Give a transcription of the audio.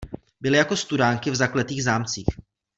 Byly jako studánky v zakletých zámcích.